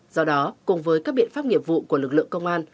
do đó cùng với các biện pháp nghiệp vụ của lực lượng công an